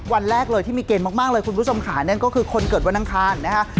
วันแรกเลยที่มีเกณฑ์มากเลยคุณผู้ชมค่ะนั่นก็คือคนเกิดวันอังคารนะคะ